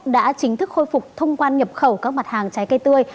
đã chính thức khôi phục thông quan nhập khẩu các mặt hàng trái cây tươi